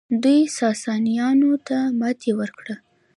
دوی ساسانیانو ته ماتې ورکړه